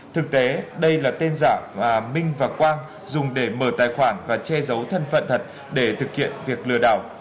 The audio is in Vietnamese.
thực tế đây là tên giả mà minh và quang dùng để mở tài khoản và che giấu thân phận thật để thực hiện việc lừa đảo